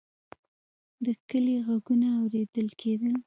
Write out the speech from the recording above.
د کلي غږونه اورېدل کېدل.